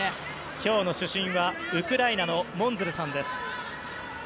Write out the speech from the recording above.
今日の主審はウクライナのモンズルさんです。